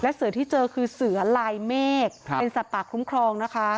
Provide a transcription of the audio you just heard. เสือที่เจอคือเสือลายเมฆเป็นสัตว์ป่าคุ้มครองนะคะ